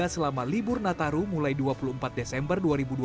selama libur nataru mulai dua puluh empat desember dua ribu dua puluh